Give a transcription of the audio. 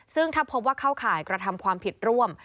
ซึ่งถ้าพบว่าเข้าข่ายกระทำความผิดร่วม